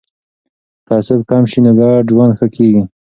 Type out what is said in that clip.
که تعصب کم سي نو ګډ ژوند ښه کیږي.